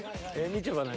みちょぱ何？